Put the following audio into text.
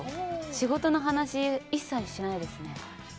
仕事の話は一切しないですね。